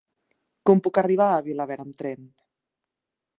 Com puc arribar a Vilaverd amb tren?